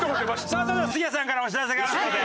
さあそれでは杉谷さんからお知らせがあるという事で。